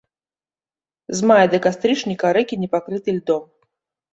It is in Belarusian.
З мая да кастрычніка рэкі не пакрыты льдом.